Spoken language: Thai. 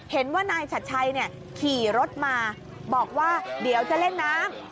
เห็นว่านายชัดชัยขี่รถมาบอกว่าเดี๋ยวจะเล่นน้ำ